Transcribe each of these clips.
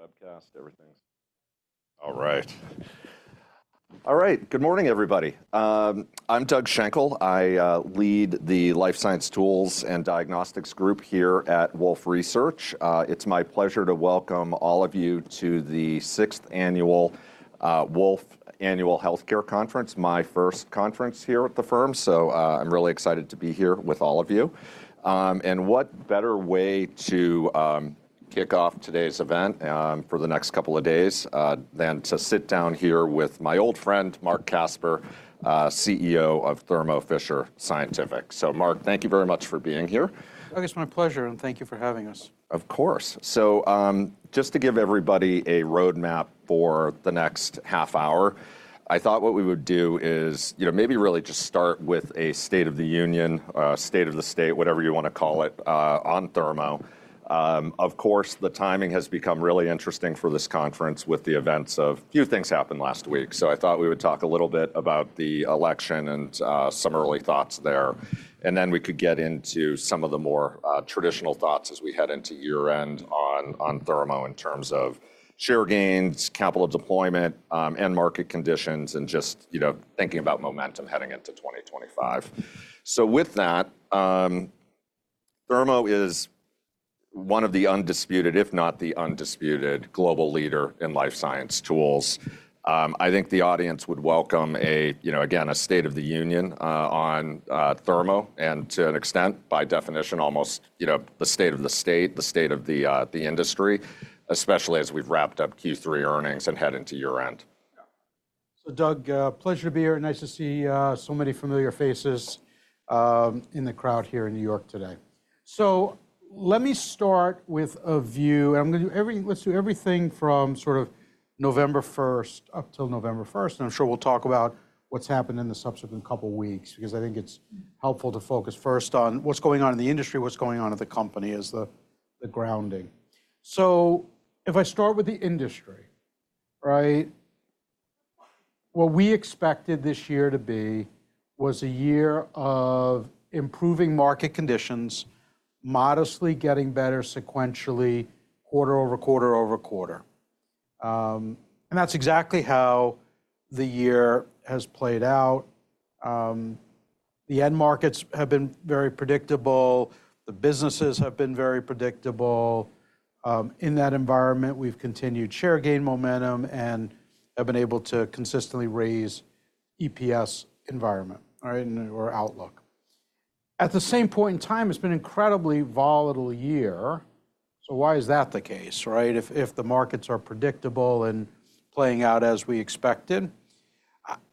With the webcast, everything's. All right. All right. Good morning, everybody. I'm Doug Schenkel. I lead the Life Science Tools and Diagnostics group here at Wolfe Research. It's my pleasure to welcome all of you to the 6th Annual Wolfe Annual Healthcare Conference, my first conference here at the firm. So I'm really excited to be here with all of you. And what better way to kick off today's event for the next couple of days than to sit down here with my old friend, Marc Casper, CEO of Thermo Fisher Scientific. So Marc, thank you very much for being here. Doug, it's my pleasure, and thank you for having us. Of course. So just to give everybody a roadmap for the next half hour, I thought what we would do is maybe really just start with a state of the union, state of the state, whatever you want to call it, on Thermo. Of course, the timing has become really interesting for this conference with the events of a few things that happened last week. So I thought we would talk a little bit about the election and some early thoughts there. And then we could get into some of the more traditional thoughts as we head into year-end on Thermo in terms of share gains, capital deployment, and market conditions, and just thinking about momentum heading into 2025. So with that, Thermo is one of the undisputed, if not the undisputed, global leader in life science tools. I think the audience would welcome, again, a state of the union on Thermo, and to an extent, by definition, almost the state of the state, the state of the industry, especially as we've wrapped up Q3 earnings and head into year-end. So Doug, pleasure to be here. Nice to see so many familiar faces in the crowd here in New York today. So let me start with a view, and I'm going to do everything from sort of November 1st up till November 1st. And I'm sure we'll talk about what's happened in the subsequent couple of weeks because I think it's helpful to focus first on what's going on in the industry, what's going on at the company as the grounding. So if I start with the industry, right? What we expected this year to be was a year of improving market conditions, modestly getting better sequentially, quarter over quarter over quarter. And that's exactly how the year has played out. The end markets have been very predictable. The businesses have been very predictable. In that environment, we've continued share gain momentum and have been able to consistently raise EPS, revenue, or outlook. At the same point in time, it's been an incredibly volatile year. So why is that the case, right? If the markets are predictable and playing out as we expected,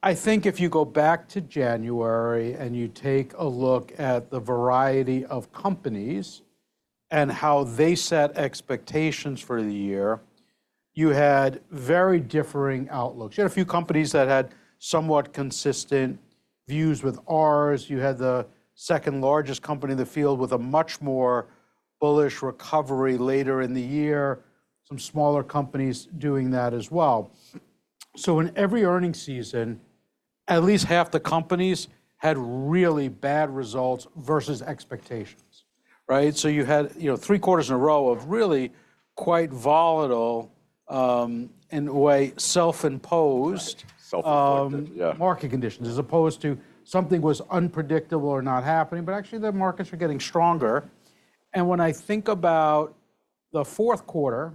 I think if you go back to January and you take a look at the variety of companies and how they set expectations for the year, you had very differing outlooks. You had a few companies that had somewhat consistent views with ours. You had the second largest company in the field with a much more bullish recovery later in the year, some smaller companies doing that as well. So in every earnings season, at least half the companies had really bad results versus expectations, right? So you had three quarters in a row of really quite volatile and, in a way, self-imposed. Self-imposed, yeah. Market conditions, as opposed to something was unpredictable or not happening. Actually, the markets are getting stronger. When I think about the fourth quarter,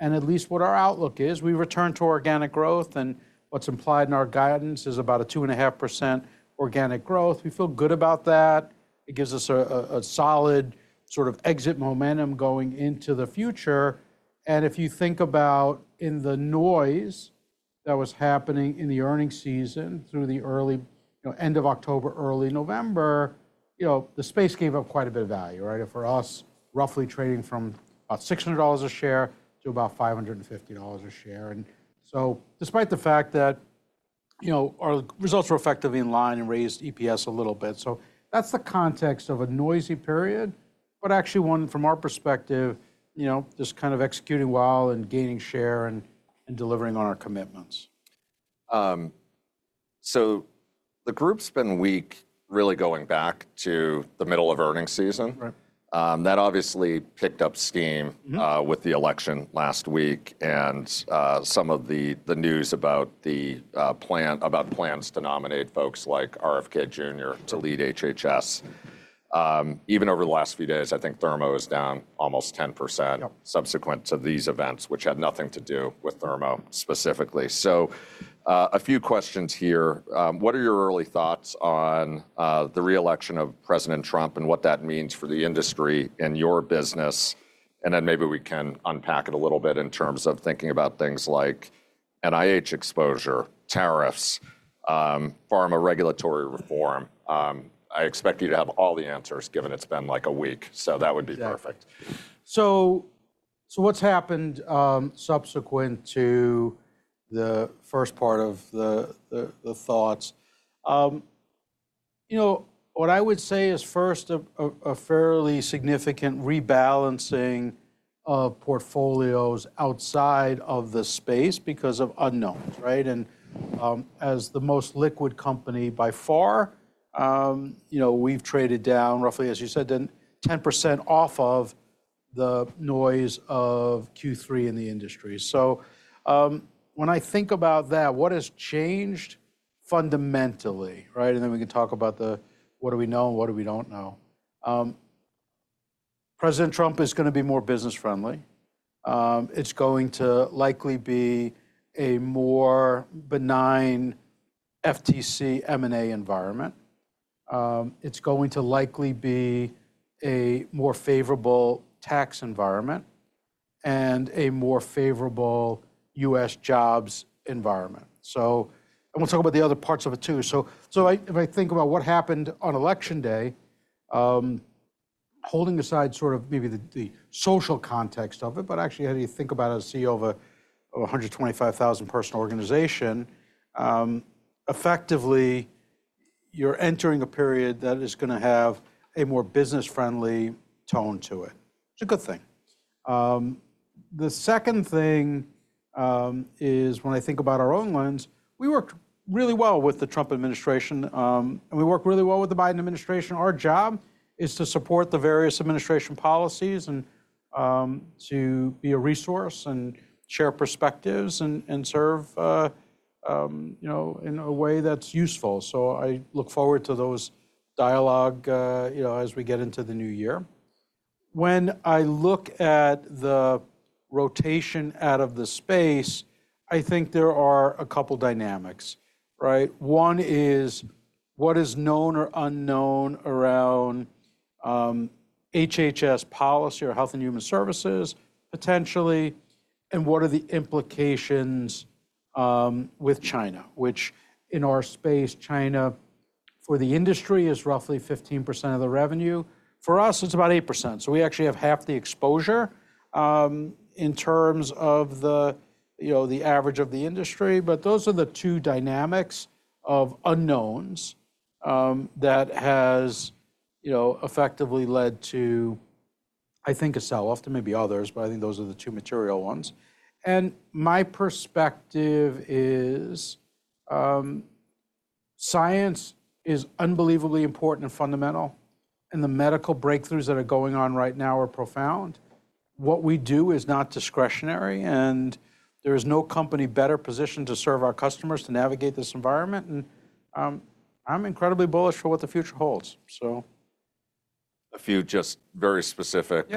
and at least what our outlook is, we returned to organic growth, and what's implied in our guidance is about 2.5% organic growth. We feel good about that. It gives us a solid sort of exit momentum going into the future. If you think about in the noise that was happening in the earnings season through the early end of October, early November, the space gave up quite a bit of value, right? For us, roughly trading from about $600 a share to about $550 a share. And so, despite the fact that our results were effectively in line and raised EPS a little bit, so that's the context of a noisy period, but actually one, from our perspective, just kind of executing well and gaining share and delivering on our commitments. So the group's been weak really going back to the middle of earnings season. That obviously picked up steam with the election last week and some of the news about plans to nominate folks like RFK Jr. to lead HHS. Even over the last few days, I think Thermo is down almost 10% subsequent to these events, which had nothing to do with Thermo specifically. So a few questions here. What are your early thoughts on the reelection of President Trump and what that means for the industry and your business? And then maybe we can unpack it a little bit in terms of thinking about things like NIH exposure, tariffs, pharma regulatory reform. I expect you to have all the answers given it's been like a week, so that would be perfect. So what's happened subsequent to the first part of the thoughts? What I would say is first, a fairly significant rebalancing of portfolios outside of the space because of unknowns, right? And as the most liquid company by far, we've traded down roughly, as you said, 10% off of the noise of Q3 in the industry. So when I think about that, what has changed fundamentally, right? And then we can talk about the what do we know and what do we don't know. President Trump is going to be more business-friendly. It's going to likely be a more benign FTC M&A environment. It's going to likely be a more favorable tax environment and a more favorable U.S. jobs environment. So I want to talk about the other parts of it too. So if I think about what happened on election day, holding aside sort of maybe the social context of it, but actually how do you think about it as CEO of a 125,000-person organization? Effectively you're entering a period that is going to have a more business-friendly tone to it. It's a good thing. The second thing is when I think about our own lens, we worked really well with the Trump administration, and we worked really well with the Biden administration. Our job is to support the various administration policies and to be a resource and share perspectives and serve in a way that's useful. So I look forward to those dialogues as we get into the new year. When I look at the rotation out of the space, I think there are a couple of dynamics, right? One is what is known or unknown around HHS policy or Health and Human Services potentially, and what are the implications with China, which in our space, China for the industry is roughly 15% of the revenue. For us, it's about 8%. So we actually have half the exposure in terms of the average of the industry. But those are the two dynamics of unknowns that has effectively led to, I think, a selloff, to maybe others, but I think those are the two material ones. And my perspective is science is unbelievably important and fundamental, and the medical breakthroughs that are going on right now are profound. What we do is not discretionary, and there is no company better positioned to serve our customers to navigate this environment. And I'm incredibly bullish for what the future holds, so. A few just very specific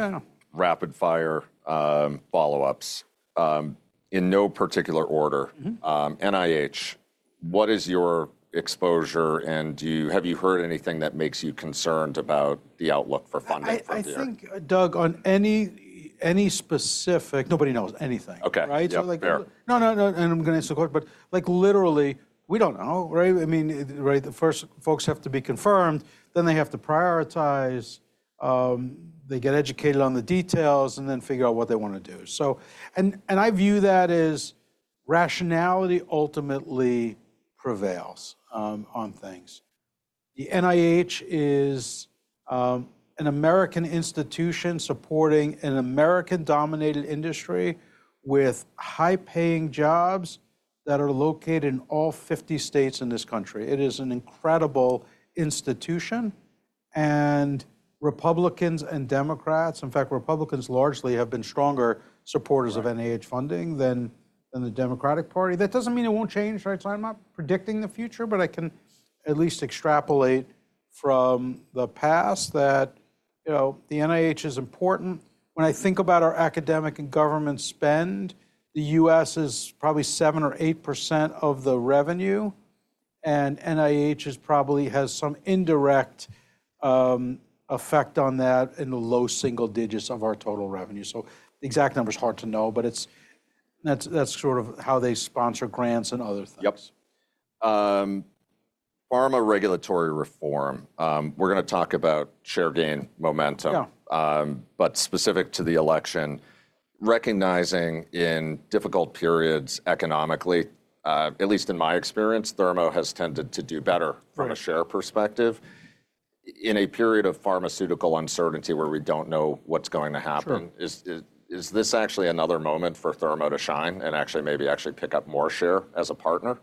rapid-fire follow-ups in no particular order. NIH, what is your exposure, and have you heard anything that makes you concerned about the outlook for funding? I think, Doug, on any specific, nobody knows anything, right? Okay. No, no, no. I'm going to answer the question, but literally, we don't know, right? I mean, first, folks have to be confirmed, then they have to prioritize, they get educated on the details, and then figure out what they want to do. I view that as rationality ultimately prevails on things. The NIH is an American institution supporting an American-dominated industry with high-paying jobs that are located in all 50 states in this country. It is an incredible institution, and Republicans and Democrats, in fact, Republicans largely have been stronger supporters of NIH funding than the Democratic Party. That doesn't mean it won't change, right? I'm not predicting the future, but I can at least extrapolate from the past that the NIH is important. When I think about our academic and government spend, the U.S. is probably 7% or 8% of the revenue, and NIH probably has some indirect effect on that in the low single digits of our total revenue. So the exact number is hard to know, but that's sort of how they sponsor grants and other things. Yep. Pharma regulatory reform, we're going to talk about share gain momentum, but specific to the election. Recognizing in difficult periods economically, at least in my experience, Thermo has tended to do better from a share perspective. In a period of pharmaceutical uncertainty where we don't know what's going to happen, is this actually another moment for Thermo to shine and actually maybe actually pick up more share as a partner?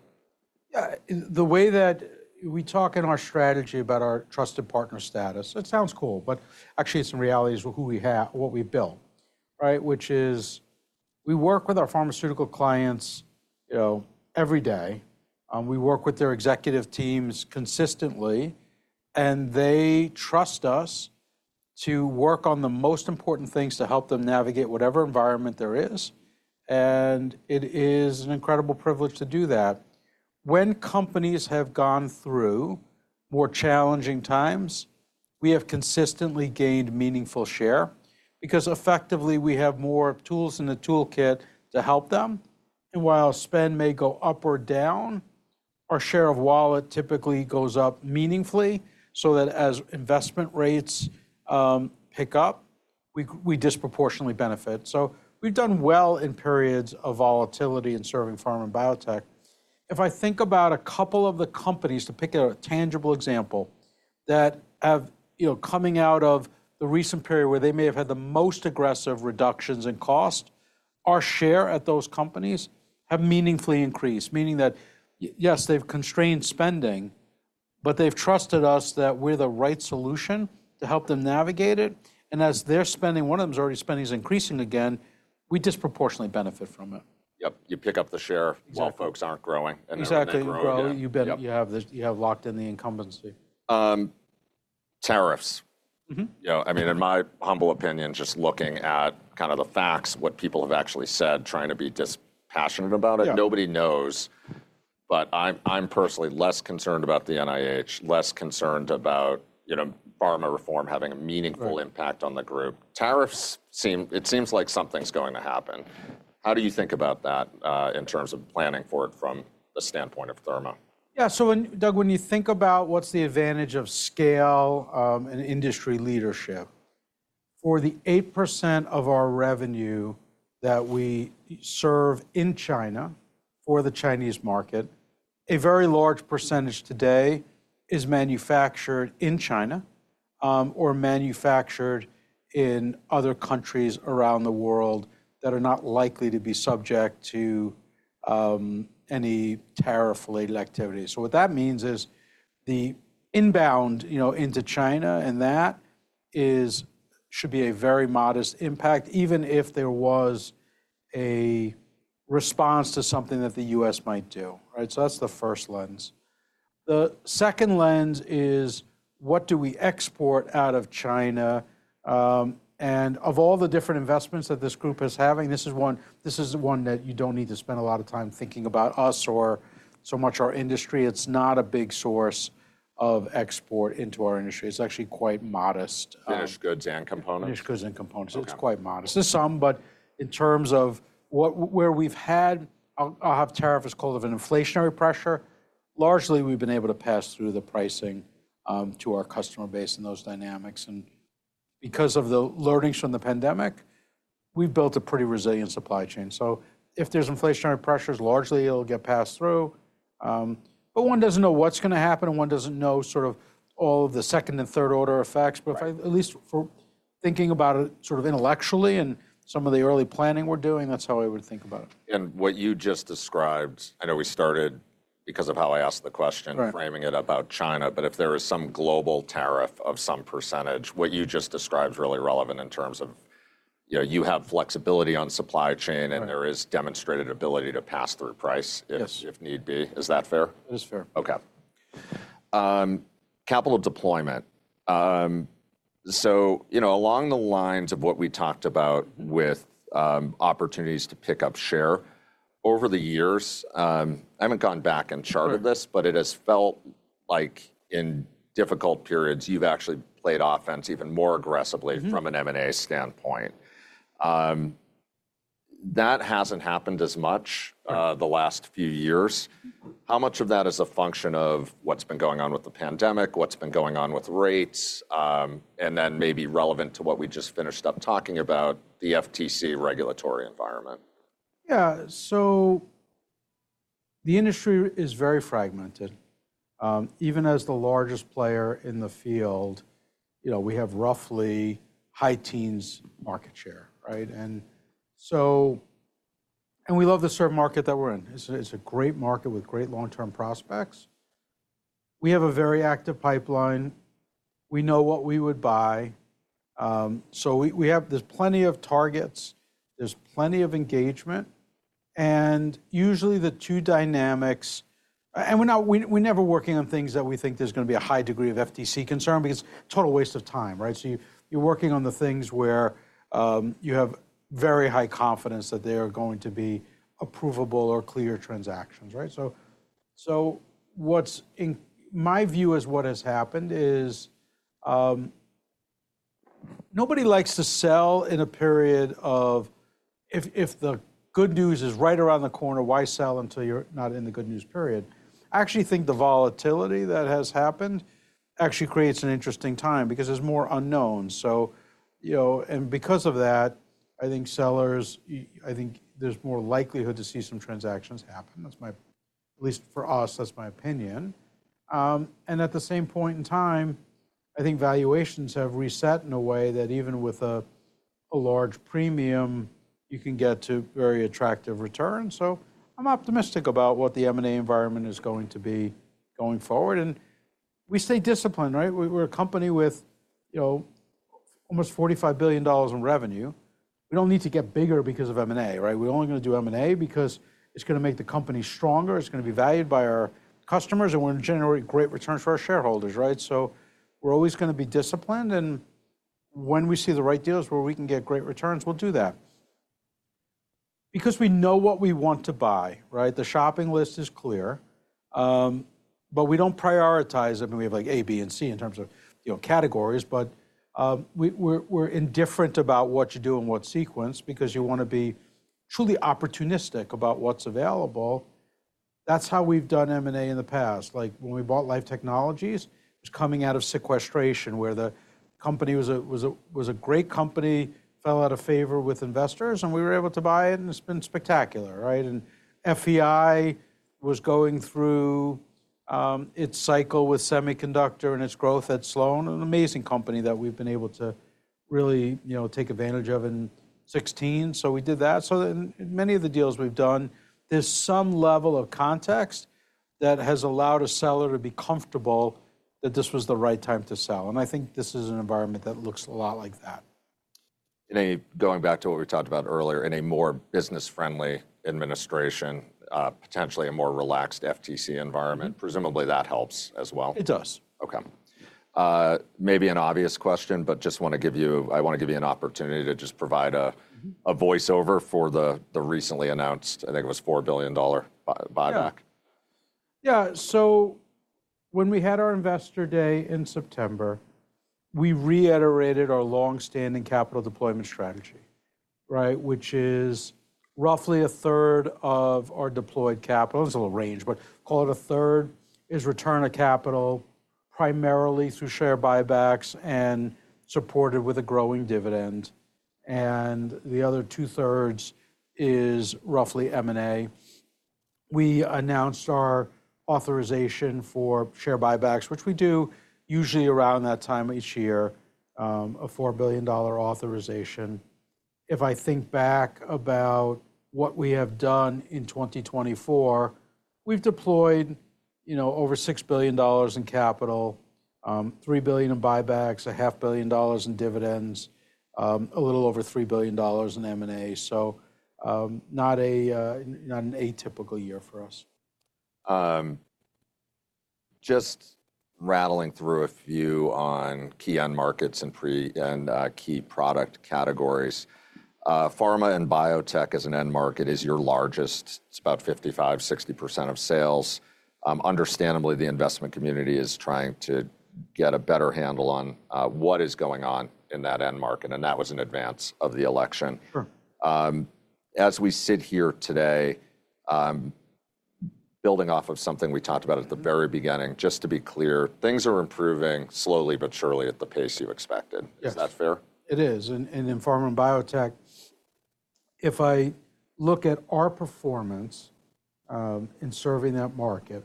Yeah. The way that we talk in our strategy about our trusted partner status, it sounds cool, but actually it's in realities of what we've built, right? Which is we work with our pharmaceutical clients every day. We work with their executive teams consistently, and they trust us to work on the most important things to help them navigate whatever environment there is. And it is an incredible privilege to do that. When companies have gone through more challenging times, we have consistently gained meaningful share because effectively we have more tools in the toolkit to help them. And while spend may go up or down, our share of wallet typically goes up meaningfully so that as investment rates pick up, we disproportionately benefit. So we've done well in periods of volatility in serving pharma and biotech. If I think about a couple of the companies, to pick a tangible example that have come out of the recent period where they may have had the most aggressive reductions in cost, our share at those companies have meaningfully increased, meaning that yes, they've constrained spending, but they've trusted us that we're the right solution to help them navigate it, and as their spending, one of them's already, spending is increasing again, we disproportionately benefit from it. Yep. You pick up the share while folks aren't growing. Exactly. You have locked in the incumbency. Tariffs. I mean, in my humble opinion, just looking at kind of the facts, what people have actually said, trying to be dispassionate about it, nobody knows. But I'm personally less concerned about the NIH, less concerned about pharma reform having a meaningful impact on the group. Tariffs, it seems like something's going to happen. How do you think about that in terms of planning for it from the standpoint of Thermo? Yeah. So Doug, when you think about what's the advantage of scale and industry leadership, for the 8% of our revenue that we serve in China for the Chinese market, a very large percentage today is manufactured in China or manufactured in other countries around the world that are not likely to be subject to any tariff-related activity. So what that means is the inbound into China, and that should be a very modest impact, even if there was a response to something that the U.S. might do, right? So that's the first lens. The second lens is what do we export out of China? And of all the different investments that this group is having, this is one that you don't need to spend a lot of time thinking about us or so much our industry. It's not a big source of export into our industry. It's actually quite modest. Finished goods and components. Finished goods and components. It's quite modest. It's some, but in terms of where we've had, we'll have tariffs cause of an inflationary pressure, largely we've been able to pass through the pricing to our customer base and those dynamics, and because of the learnings from the pandemic, we've built a pretty resilient supply chain, so if there's inflationary pressures, largely it'll get passed through, but one doesn't know what's going to happen, and one doesn't know sort of all of the second and third order effects, but at least for thinking about it sort of intellectually and some of the early planning we're doing, that's how I would think about it. And what you just described, I know we started because of how I asked the question, framing it about China, but if there is some global tariff of some percentage, what you just described is really relevant in terms of you have flexibility on supply chain and there is demonstrated ability to pass through price if need be. Is that fair? That is fair. Okay. Capital deployment. So along the lines of what we talked about with opportunities to pick up share over the years, I haven't gone back and charted this, but it has felt like in difficult periods, you've actually played offense even more aggressively from an M&A standpoint. That hasn't happened as much the last few years. How much of that is a function of what's been going on with the pandemic, what's been going on with rates, and then maybe relevant to what we just finished up talking about, the FTC regulatory environment? Yeah. So the industry is very fragmented. Even as the largest player in the field, we have roughly high teens market share, right? And we love the served market that we're in. It's a great market with great long-term prospects. We have a very active pipeline. We know what we would buy. So there's plenty of targets. There's plenty of engagement. And usually the two dynamics, and we're never working on things that we think there's going to be a high degree of FTC concern because total waste of time, right? So you're working on the things where you have very high confidence that they are going to be approvable or clear transactions, right? So my view is what has happened is nobody likes to sell in a period of if the good news is right around the corner. Why sell until you're not in the good news period? I actually think the volatility that has happened actually creates an interesting time because there's more unknowns, and because of that, I think there's more likelihood to see some transactions happen. At least for us, that's my opinion, and at the same point in time, I think valuations have reset in a way that even with a large premium, you can get to very attractive returns, so I'm optimistic about what the M&A environment is going to be going forward, and we stay disciplined, right? We're a company with almost $45 billion in revenue. We don't need to get bigger because of M&A, right? We're only going to do M&A because it's going to make the company stronger. It's going to be valued by our customers, and we're going to generate great returns for our shareholders, right, so we're always going to be disciplined. When we see the right deals where we can get great returns, we'll do that. Because we know what we want to buy, right? The shopping list is clear, but we don't prioritize. I mean, we have like A, B, and C in terms of categories, but we're indifferent about what you do in what sequence because you want to be truly opportunistic about what's available. That's how we've done M&A in the past. Like when we bought Life Technologies, it was coming out of sequestration where the company was a great company, fell out of favor with investors, and we were able to buy it, and it's been spectacular, right? FEI was going through its cycle with semiconductor and its slowdown, an amazing company that we've been able to really take advantage of in 2016. We did that. In many of the deals we've done, there's some level of context that has allowed a seller to be comfortable that this was the right time to sell. And I think this is an environment that looks a lot like that. Going back to what we talked about earlier, in a more business-friendly administration, potentially a more relaxed FTC environment, presumably that helps as well. It does. Okay. Maybe an obvious question, but just want to give you, I want to give you an opportunity to just provide a voiceover for the recently announced, I think it was $4 billion buyback. Yeah. So when we had our investor day in September, we reiterated our long-standing capital deployment strategy, right? Which is roughly a third of our deployed capital, it's a little range, but call it a third, is return of capital primarily through share buybacks and supported with a growing dividend. And the other two-thirds is roughly M&A. We announced our authorization for share buybacks, which we do usually around that time each year, a $4 billion authorization. If I think back about what we have done in 2024, we've deployed over $6 billion in capital, $3 billion in buybacks, $500 million in dividends, a little over $3 billion in M&A. So not an atypical year for us. Just rattling through a few on key end markets and key product categories. Pharma and biotech as an end market is your largest. It's about 55%-60% of sales. Understandably, the investment community is trying to get a better handle on what is going on in that end market. And that was in advance of the election. As we sit here today, building off of something we talked about at the very beginning, just to be clear, things are improving slowly but surely at the pace you expected. Is that fair? It is, and in pharma and biotech, if I look at our performance in serving that market,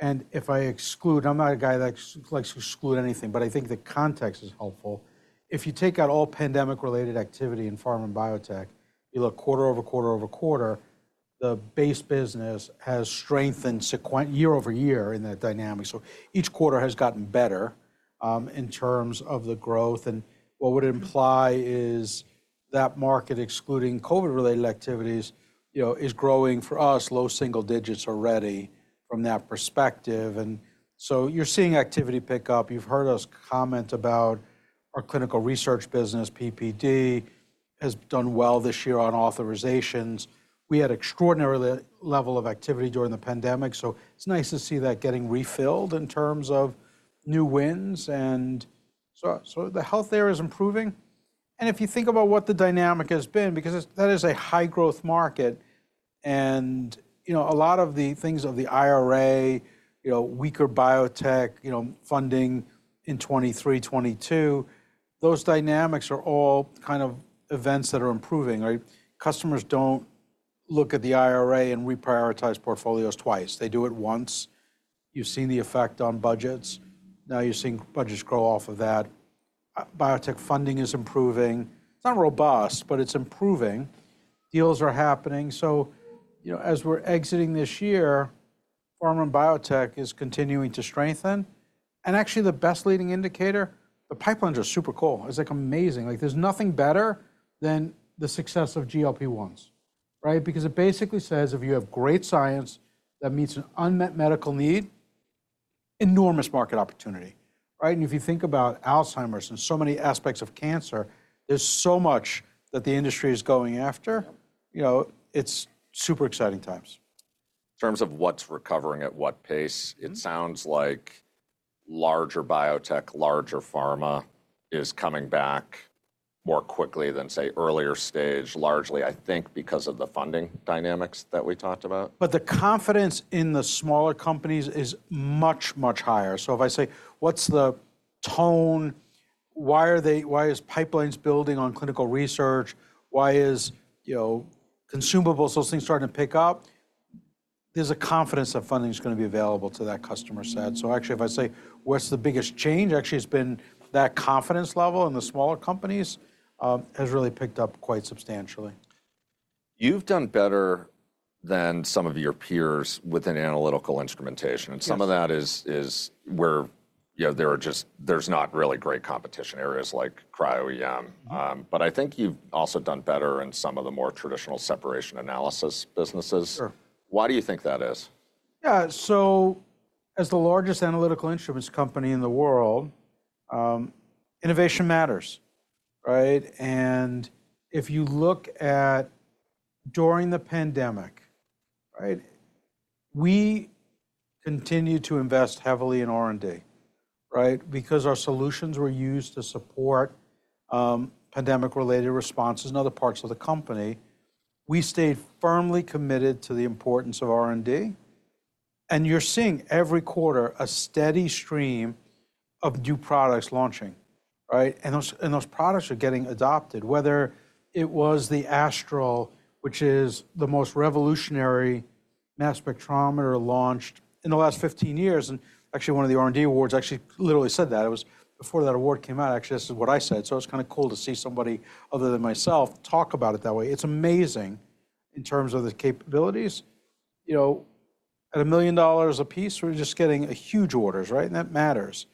and if I exclude, I'm not a guy that likes to exclude anything, but I think the context is helpful. If you take out all pandemic-related activity in pharma and biotech, you look quarter over quarter over quarter, the base business has strengthened year over year in that dynamic, so each quarter has gotten better in terms of the growth, and what would imply is that market, excluding COVID-related activities, is growing for us, low single digits already from that perspective, and so you're seeing activity pick up. You've heard us comment about our clinical research business, PPD, has done well this year on authorizations. We had an extraordinary level of activity during the pandemic, so it's nice to see that getting refilled in terms of new wins. The health there is improving. If you think about what the dynamic has been, because that is a high-growth market, and a lot of the things of the IRA, weaker biotech funding in 2023, 2022, those dynamics are all kind of events that are improving, right? Customers don't look at the IRA and reprioritize portfolios twice. They do it once. You've seen the effect on budgets. Now you're seeing budgets grow off of that. Biotech funding is improving. It's not robust, but it's improving. Deals are happening. As we're exiting this year, pharma and biotech is continuing to strengthen. Actually the best leading indicator, the pipelines are super cool. It's like amazing. There's nothing better than the success of GLP-1s, right? Because it basically says if you have great science that meets an unmet medical need, enormous market opportunity, right? If you think about Alzheimer's and so many aspects of cancer, there's so much that the industry is going after. It's super exciting times. In terms of what's recovering at what pace, it sounds like larger biotech, larger pharma is coming back more quickly than, say, earlier stage. Largely, I think because of the funding dynamics that we talked about. But the confidence in the smaller companies is much, much higher. So if I say, what's the tone? Why is pipelines building on clinical research? Why is consumables, those things starting to pick up? There's a confidence that funding is going to be available to that customer set. So actually if I say, what's the biggest change? Actually, it's been that confidence level in the smaller companies has really picked up quite substantially. You've done better than some of your peers within analytical instrumentation. And some of that is where there's not really great competition areas like Cryo-EM. But I think you've also done better in some of the more traditional separation analysis businesses. Why do you think that is? Yeah. So as the largest analytical instruments company in the world, innovation matters, right? And if you look at during the pandemic, we continued to invest heavily in R&D, right? Because our solutions were used to support pandemic-related responses in other parts of the company, we stayed firmly committed to the importance of R&D. And you're seeing every quarter a steady stream of new products launching, right? And those products are getting adopted, whether it was the Astral, which is the most revolutionary mass spectrometer launched in the last 15 years. And actually one of the R&D awards actually literally said that. It was before that award came out; actually this is what I said. So it's kind of cool to see somebody other than myself talk about it that way. It's amazing in terms of the capabilities. At $1 million a piece, we're just getting huge orders, right? That matters.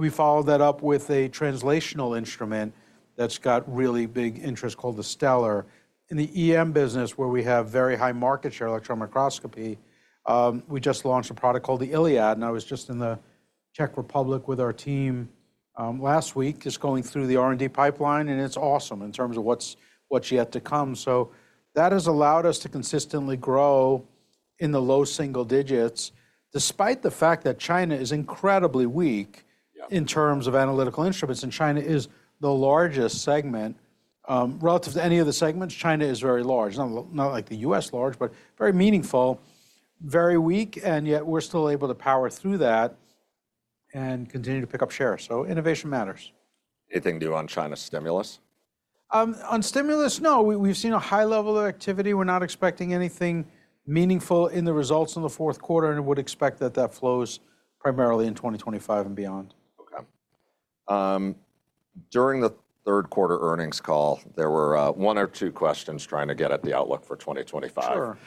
We followed that up with a translational instrument that's got really big interest called the Stellar. In the EM business, where we have very high market share electron microscopy, we just launched a product called the Iliad. I was just in the Czech Republic with our team last week, just going through the R&D pipeline. It's awesome in terms of what's yet to come. That has allowed us to consistently grow in the low single digits, despite the fact that China is incredibly weak in terms of analytical instruments. China is the largest segment relative to any of the segments. China is very large. Not like the U.S. large, but very meaningful, very weak. Yet we're still able to power through that and continue to pick up shares. Innovation matters. Anything new on China's stimulus? On stimulus, no. We've seen a high level of activity. We're not expecting anything meaningful in the results in the fourth quarter. And we would expect that that flows primarily in 2025 and beyond. Okay. During the third quarter earnings call, there were one or two questions trying to get at the outlook for 2025. Sure.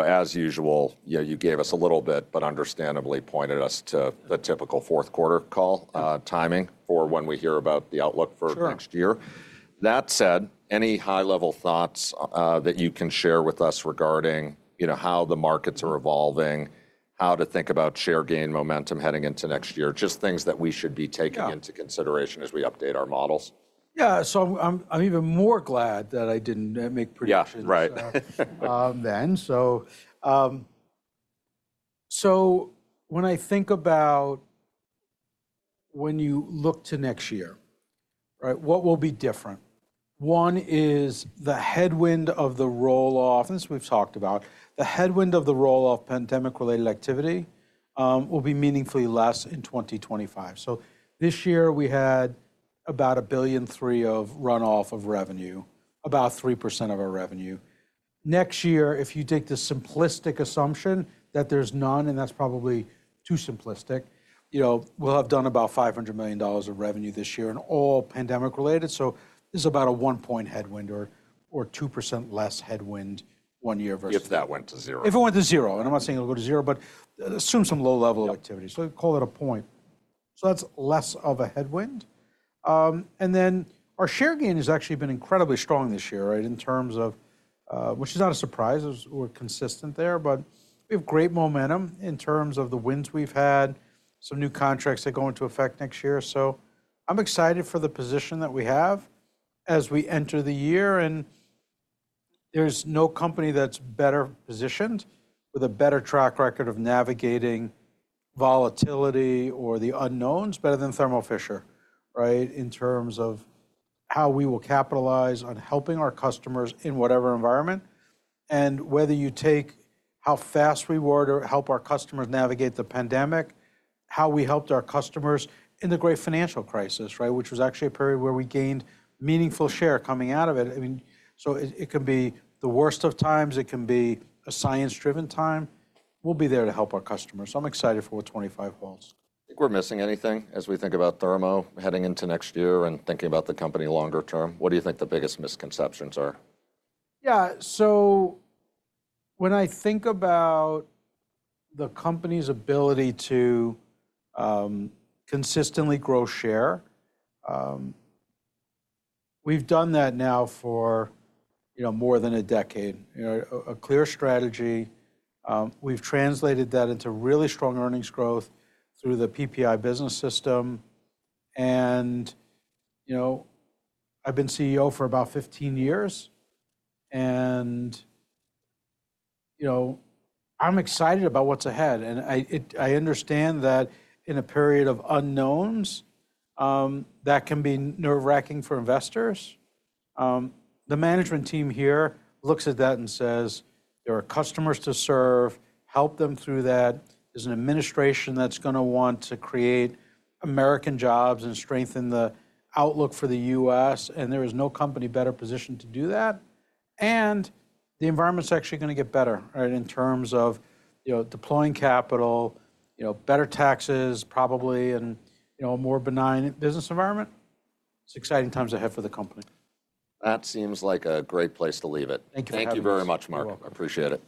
As usual, you gave us a little bit, but understandably pointed us to the typical fourth quarter call timing for when we hear about the outlook for next year. That said, any high-level thoughts that you can share with us regarding how the markets are evolving, how to think about share gain momentum heading into next year, just things that we should be taking into consideration as we update our models? Yeah. So I'm even more glad that I didn't make predictions then. So when I think about when you look to next year, what will be different? One is the headwind of the rolloff, and this we've talked about, the headwind of the rolloff pandemic-related activity will be meaningfully less in 2025. So this year we had about $1 billion of rolloff of revenue, about 3% of our revenue. Next year, if you take the simplistic assumption that there's none, and that's probably too simplistic, we'll have done about $500 million of revenue this year in all pandemic-related. So this is about a one-point headwind or 2% less headwind one year versus... If that went to zero. If it went to zero. And I'm not saying it'll go to zero, but assume some low level of activity. So call it a point. So that's less of a headwind. And then our share gain has actually been incredibly strong this year, right? In terms of, which is not a surprise, we're consistent there, but we have great momentum in terms of the wins we've had, some new contracts that go into effect next year. So I'm excited for the position that we have as we enter the year. And there's no company that's better positioned with a better track record of navigating volatility or the unknowns better than Thermo Fisher, right? In terms of how we will capitalize on helping our customers in whatever environment. Whether you take how fast we were to help our customers navigate the pandemic, how we helped our customers in the great financial crisis, right? Which was actually a period where we gained meaningful share coming out of it. I mean, so it can be the worst of times. It can be a science-driven time. We'll be there to help our customers. So I'm excited for what 2025 holds. I think we're missing anything as we think about Thermo heading into next year and thinking about the company longer term? What do you think the biggest misconceptions are? Yeah. So when I think about the company's ability to consistently grow share, we've done that now for more than a decade. A clear strategy. We've translated that into really strong earnings growth through the PPI Business System. And I've been CEO for about 15 years. And I'm excited about what's ahead. And I understand that in a period of unknowns, that can be nerve-wracking for investors. The management team here looks at that and says, there are customers to serve, help them through that. There's an administration that's going to want to create American jobs and strengthen the outlook for the U.S. And there is no company better positioned to do that. And the environment's actually going to get better, right? In terms of deploying capital, better taxes probably, and a more benign business environment. It's exciting times ahead for the company. That seems like a great place to leave it. Thank you. Thank you very much, Mark. I appreciate it.